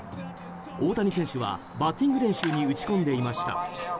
大谷選手はバッティング練習に打ち込んでいました。